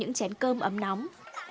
tự giác mang tô cơm và ghế đi cất